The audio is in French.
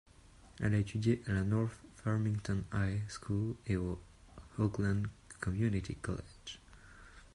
Elle a étudié à la North Farmington High School et au Oakland Community College.